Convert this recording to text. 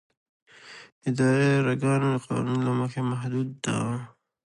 اداري ارګان د قانون له مخې محدود دی.